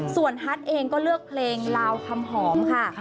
ส่วนฮัทเองก็เลือกเพลงลาวคำหอมค่ะ